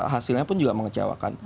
hasilnya pun juga mengecewakan